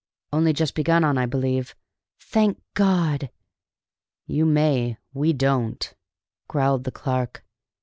"Only just begun on, I believe." "Thank God!" "You may; we don't," growled the clerk.